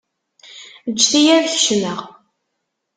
Ǧǧet-iyi ad kecmeɣ.